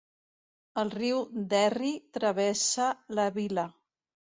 El riu Derry travessa la vila.